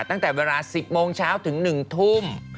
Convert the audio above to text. ตั้งแต่เวลา๑๐โมงเช้าถึง๑ทุ่ม